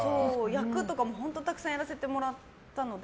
役とかも本当にたくさんやらせてもらったので。